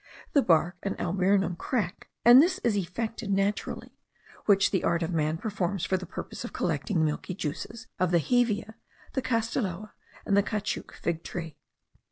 The bark and alburnum crack; and thus is effected naturally, what the art of man performs for the purpose of collecting the milky juices of the hevea, the castilloa, and the caoutchouc fig tree.